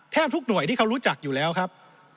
ทุกหน่วยที่เขารู้จักอยู่แล้วครับ